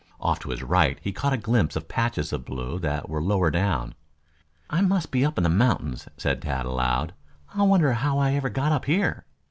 Off to his right he caught glimpses of patches of blue that were lower down. "I must be up in the mountains," said Tad aloud. "I wonder how I ever got up here."